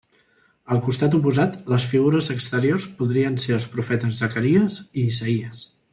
Al costat oposat, les figures exteriors podrien ser els profetes Zacaries i Isaïes.